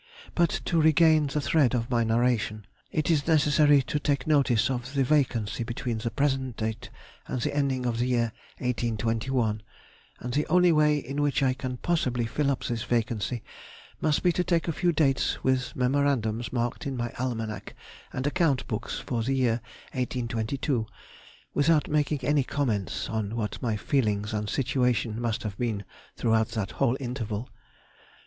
"But to regain the thread of my narration, it is necessary to take notice of the vacancy between the present date and the ending of the year 1821, and the only way in which I can possibly fill up this vacancy must be to take a few dates with memorandums marked in my almanac and account books for the year 1822, without making any comments on what my feelings and situation must have been throughout that whole interval.